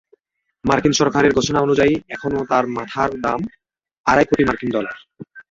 মার্কিন সরকারের ঘোষণা অনুযায়ী, এখনো তাঁর মাথার দাম আড়াই কোটি মার্কিন ডলার।